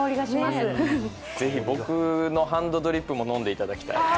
ぜひ僕のハンドドリップも飲んでいただきたい。